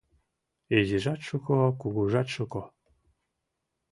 Изижат шуко, кугужат шуко